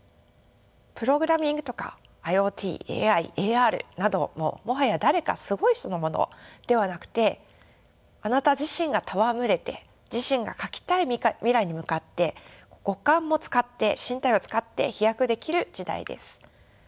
プログラミングとかＩｏＴＡＩＡＲなどももはや誰かすごい人のものではなくてあなた自身が戯れて自身が描きたい未来に向かって五感も使って身体を使って飛躍できる時代です。